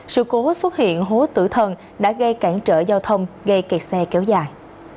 sự cố xuất hiện hố tử thần đã gây cản trở giao thông gây kẹt xe kéo dài